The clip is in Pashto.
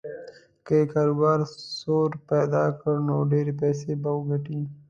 که یې کاروبار سور پیدا کړ نو ډېرې پیسې به وګټي.